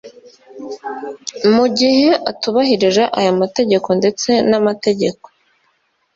mu gihe atubahirije aya mategeko ndetse n amategeko